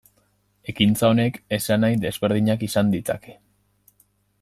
Ekintza honek esanahi desberdinak izan ditzake.